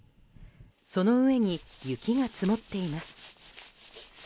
その上に雪が積もっています。